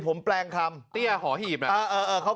ผมแปลงคำเตี้ยหอหีบนะ